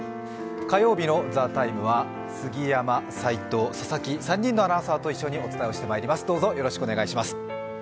火曜日の「ＴＨＥＴＩＭＥ，」は杉山、齋藤、佐々木、３人のアナウンサーと一緒にお伝えしてまいります。